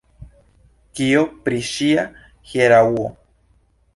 Kio pri ŝia hieraŭo?